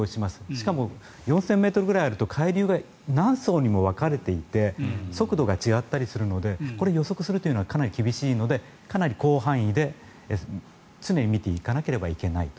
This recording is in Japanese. しかも、４０００ｍぐらいあると海流が何層にも分かれていて速度が違ったりするので予測するのはかなり難しいのでかなり広範囲で常に見ていかなければいけないと。